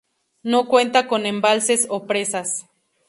No cuenta con embalses o presas.